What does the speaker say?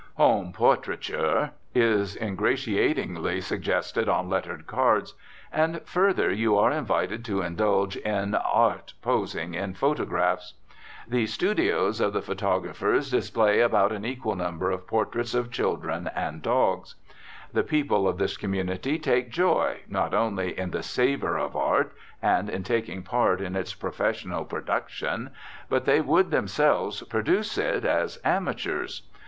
"Home portraiture" is ingratiatingly suggested on lettered cards, and, further, you are invited to indulge in "art posing in photographs." The "studios" of the photographers display about an equal number of portraits of children and dogs. The people of this community take joy not only in the savour of art, and in taking part in its professional production, but they would themselves produce it, as amateurs.